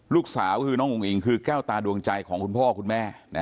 ลูกสาวคือน้องอุ้งอิงคือแก้วตาดวงใจของคุณพ่อคุณแม่